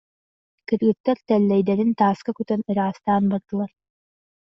Кыргыттар тэллэйдэрин тааска кутан ыраастаан бардылар